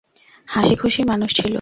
হাসি, খুশি মানুষ ছিল।